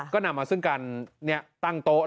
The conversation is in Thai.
ก็นำมาซึ่งการตั้งโต๊ะ